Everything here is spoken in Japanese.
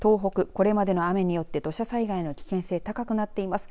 これまでの雨によって土砂災害の危険性高くなっています。